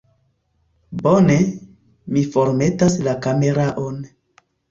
Bone, mi formetas la kameraon